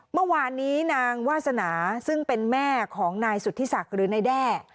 เมื่อวานนี้นางวาสนาซึ่งเป็นแม่ของนายสุธิศักดิ์หรือนายแด้